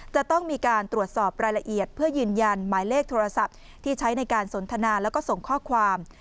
จะต้องมีการตรวจสอบรายละเอียดเพื่อยืนยันหมายเลขโทรศัพท์ที่ใช้ในการสนทนาแล้วก็ส่งข้อความ